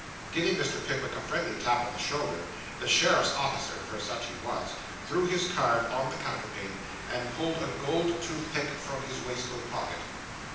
Giving Mr. Pickwick a friendly tap on the shoulder, the sheriff's officer (for such he was) threw his card on the counterpane, and pulled a gold toothpick from his waistcoat pocket.